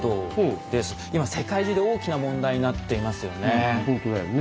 今世界中で大きな問題になっていますよね。